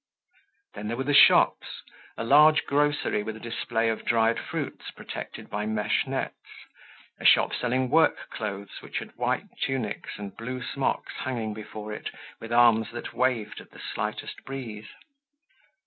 Then there were the shops: a large grocery with a display of dried fruits protected by mesh nets; a shop selling work clothes which had white tunics and blue smocks hanging before it with arms that waved at the slightest breeze.